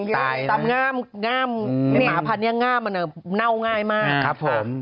ตามง่ามไหมมาย่างง่ามเน่าง่ายมาก